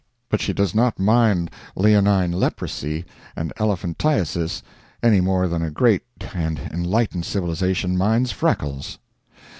but she does not mind leonine leprosy and elephantiasis any more than a great and enlightened civilization minds freckles.